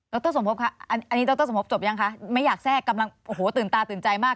รสมภพคะอันนี้ดรสมภพจบยังคะไม่อยากแทรกกำลังโอ้โหตื่นตาตื่นใจมาก